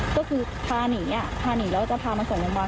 ก็คือพานีพานีแล้วถ้าพามาส่งกลางบ้าน